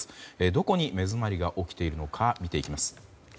どこに目詰まりが起きているか見ていきます。